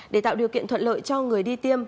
để tạo điều kiện thuận lợi cho người đi tiêm